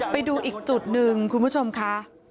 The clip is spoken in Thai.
ไปดูอีกจุดหนึ่งคุณผู้ชมค่ะ